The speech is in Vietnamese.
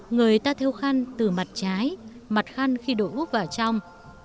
người ta theo khăn từ mặt trái mặt khăn khi đổ úp vào trong